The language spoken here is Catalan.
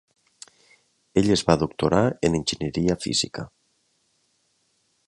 Ell es va doctorar en enginyeria física.